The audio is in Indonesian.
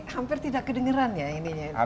hampir tidak kedengeran ya ininya